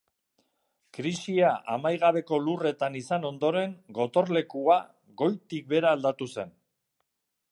Krisia Amaigabeko Lurretan izan ondoren, Gotorlekua, goitik behera aldatu zen.